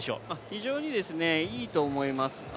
非常にいいと思います